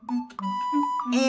え